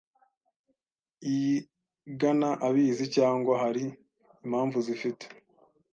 iyigana abizi cyangwa hari impamvu zifite